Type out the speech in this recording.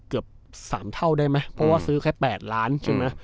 เกือบ๓เท่าได้ไหมเพราะว่าซื้อแค่๘ล้านใช่ไหม